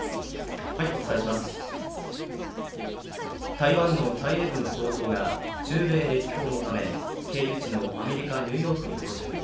台湾の蔡英文総統が中米歴訪のため、経由地のアメリカ・ニューヨークに到着。